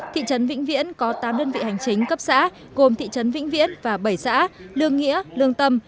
thị trấn vĩnh viễn có tám đơn vị hành chính cấp xã gồm thị trấn vĩnh viễn và bảy xã lương nghĩa lương tâm